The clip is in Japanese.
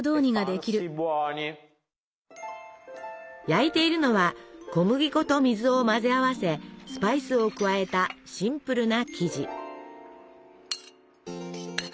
焼いているのは小麦粉と水を混ぜ合わせスパイスを加えたシンプルな生地。